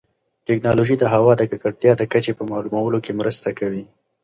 ټیکنالوژي د هوا د ککړتیا د کچې په معلومولو کې مرسته کوي.